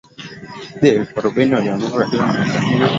ya elfu arobaini walianguka katika miaka hiyo